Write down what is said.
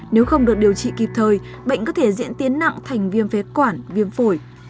nếu không được điều trị kịp thời bệnh có thể diễn tiến nặng thành viêm phế quản viêm phổi